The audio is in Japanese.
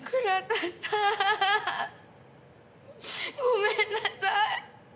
ごめんなさい！